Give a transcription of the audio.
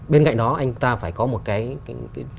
bên cạnh đó anh ta phải có một cái